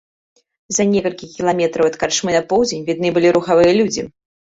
За некалькі кіламетраў ад карчмы на поўдзень відны былі рухавыя людзі.